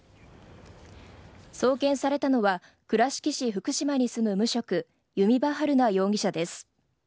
送検されたのは倉敷市福島に住む無職弓場晴菜容疑者です。